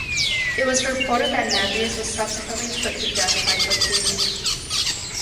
It was reported that Navius was subsequently put to death by Tarquinius.